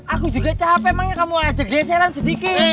aku juga capek emangnya kamu aja geseran sedikit